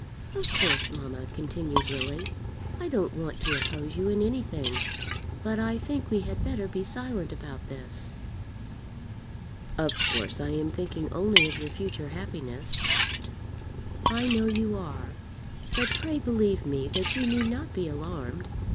"Of course, mamma," continued Lily, "I don't want to oppose you in anything, but I think we had better be silent about this." "Of course I am thinking only of your future happiness." "I know you are; but pray believe me that you need not be alarmed.